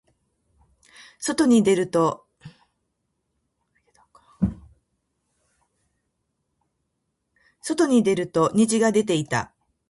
外に出ると虹が出ていた。